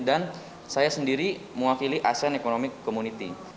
dan saya sendiri mewakili asean economic community